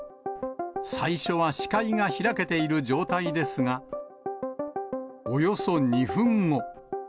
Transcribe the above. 最初は視界が開けている状態ですが、およそ２分後。